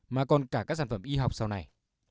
mà còn cả các sản phẩm y học sau này